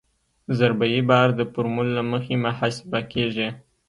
ضربه یي بار د فورمول له مخې محاسبه کیږي